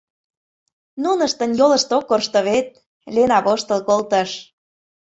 — Нуныштын йолышт ок коршто вет, — Лена воштыл колтыш.